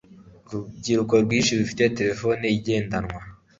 urubyiruko rwinshi rufite terefone igendanwa